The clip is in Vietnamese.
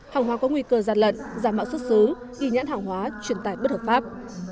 hàng hóa có nguy cơ gian lận giả mạo xuất xứ ghi nhãn hàng hóa truyền tải bất hợp pháp